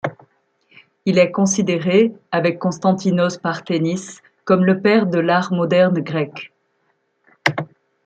Il est considéré, avec Constantinos Parthenis, comme le père de l'art moderne grec.